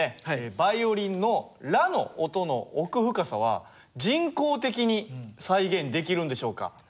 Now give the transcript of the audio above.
バイオリンのラの音の奥深さは人工的に再現できるんでしょうか？